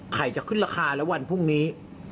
จะขึ้นราคาแล้ววันพรุ่งนี้